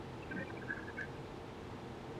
位牌曰兴福院殿南天皇都心位尊仪。